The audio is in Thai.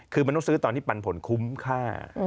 คือมันต้องซื้อตอนที่ปันผลคุ้มค่า